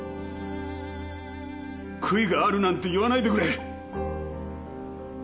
悔いがあるなんて言わないでくれ！